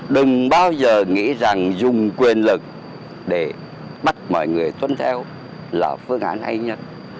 đừng bao giờ nghĩ rằng dùng quyền lực để bắt mọi người tuân theo là phương án hay nhất